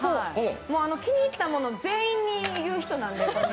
気に入ったもの全員に言う人なんで。